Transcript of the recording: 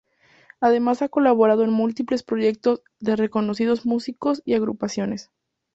Además ha colaborado en múltiples proyectos de reconocidos músicos y agrupaciones.